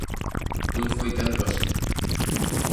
Non foi tanto así.